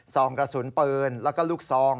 ซองกระสุนปืนแล้วก็ลูกซอง